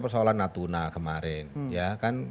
persoalan natuna kemarin ya kan